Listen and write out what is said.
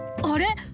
あれ？